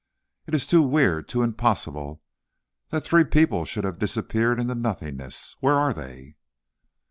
It is too weird! too impossible that three people should have disappeared into nothingness! Where are they?"